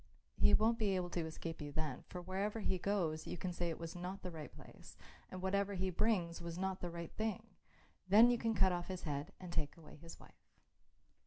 He won't be able to escape you then, for wherever he goes you can say it was not the right place and whatever he brings was not the right thing. Then you can cut off his head and take away his wife."